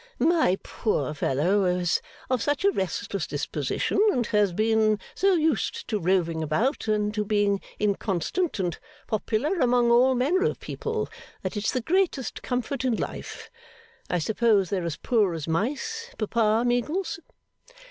My poor fellow is of such a restless disposition, and has been so used to roving about, and to being inconstant and popular among all manner of people, that it's the greatest comfort in life. I suppose they're as poor as mice, Papa Meagles?